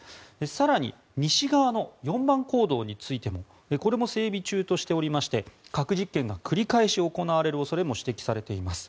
更に西側の４番坑道についてもこれも整備中としておりまして核実験が繰り返し行われる可能性も指摘されています。